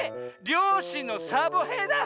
りょうしのサボへいだ！